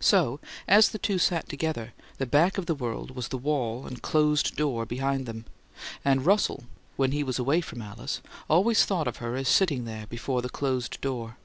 So, as the two sat together, the back of the world was the wall and closed door behind them; and Russell, when he was away from Alice, always thought of her as sitting there before the closed door.